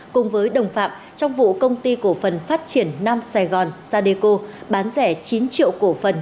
cùng với đồng phạm trong vụ công ty cổ phần phát triển nam sài gòn sadeco bán rẻ chín triệu cổ phần